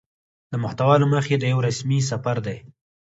د محتوا له مخې دا يو رسمي سفر دى